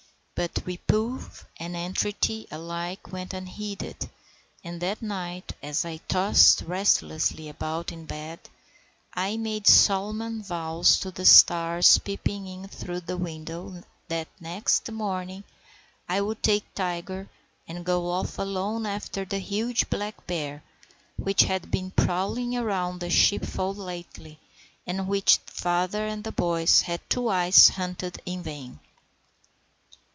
But reproof and entreaty alike went unheeded; and that night, as I tossed restlessly about in bed, I made solemn vows to the stars peeping in through the window that next morning I would take Tiger and go off alone after the huge black bear which had been prowling around the sheepfold lately, and which father and the boys had twice hunted in vain.